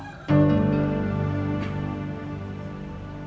kemet diletakkan membuat partai itu